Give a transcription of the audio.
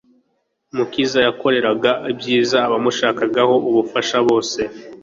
Umukiza yakoreraga ibyiza abamushakagaho ubufasha bose;